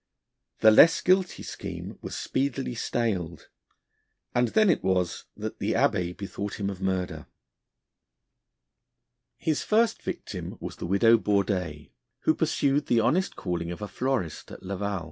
The less guilty scheme was speedily staled, and then it was that the Abbé bethought him of murder. His first victim was the widow Bourdais, who pursued the honest calling of a florist at Laval.